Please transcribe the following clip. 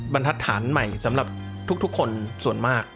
บรรทัศน์ใหม่สำหรับทุกคนส่วนมาก